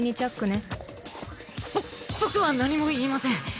ねぼ僕は何も言いません